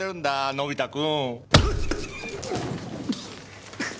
のび太君。